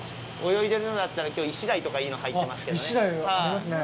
泳いでるのだったら、きょうイシダイとかいいの入っていますけどね。